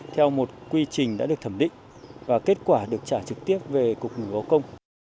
theo một quy trình đã được thẩm định và kết quả được trả trực tiếp về cục người có công